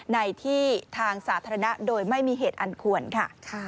ในที่ทางสาธารณะโดยไม่มีเหตุอันควรค่ะ